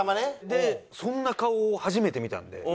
でそんな顔を初めて見たので。